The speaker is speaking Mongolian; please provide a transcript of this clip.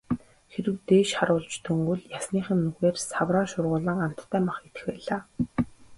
Хэрэв дээш харуулж дөнгөвөл ясных нь нүхээр савраа шургуулан амттай мах идэх байлаа.